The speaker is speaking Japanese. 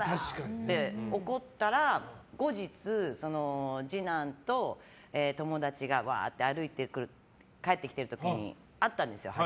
って怒ったら、後日、次男と友達が歩いて帰ってきてる時に会ったんですよ。